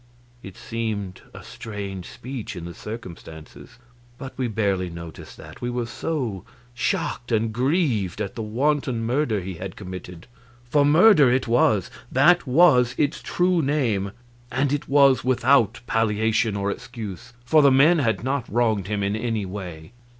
It seemed a strange speech, in the circumstances, but we barely noticed that, we were so shocked and grieved at the wanton murder he had committed for murder it was, that was its true name, and it was without palliation or excuse, for the men had not wronged him in any way.